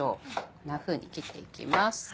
こんなふうに切っていきます。